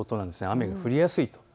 雨が降りやすいと。